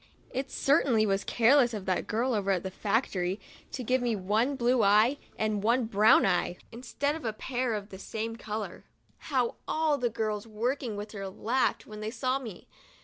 It certainly was careless of that girl over at the factory to give me one blue eye and one brown eye instead of a pair of the same color. How all the girls working with her laughed when they saw me!